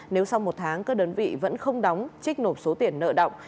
nếu sau một tháng các đơn vị vẫn không đóng trích nộp số tiền nợ động